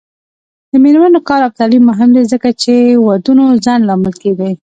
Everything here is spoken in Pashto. د میرمنو کار او تعلیم مهم دی ځکه چې ودونو ځنډ لامل دی.